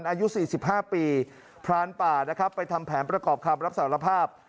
อายุ๔๕ปีพรานป่านะครับไปทำแผนประกอบคำรับสารภาพ